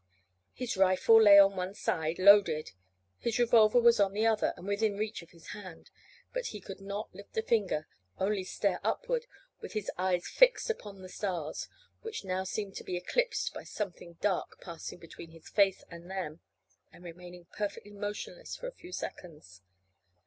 His rifle lay on one side, loaded; his revolver was on the other, and within reach of his hand; but he could not lift a finger, only stare upward with his eyes fixed upon the stars, which now seemed to be eclipsed by something dark passing between his face and them and remaining perfectly motionless for a few seconds.